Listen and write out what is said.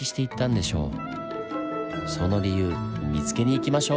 その理由見つけに行きましょう！